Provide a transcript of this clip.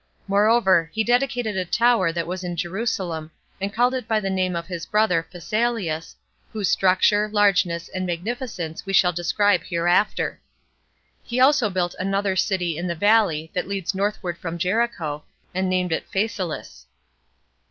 Moreover, he dedicated a tower that was at Jerusalem, and called it by the name of his brother Phasaelus, whose structure, largeness, and magnificence we shall describe hereafter. He also built another city in the valley that leads northward from Jericho, and named it Phasaelis.